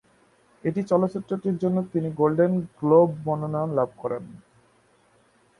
এই চলচ্চিত্রটির জন্য তিনি গোল্ডেন গ্লোব মনোনয়ন লাভ করেন।